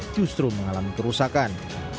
justru mengalami kerusakan